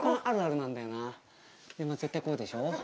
絶対こうでしょ。